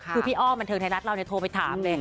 คือพี่อ้อมบันเทิงไทยรัฐเราโทรไปถามเลย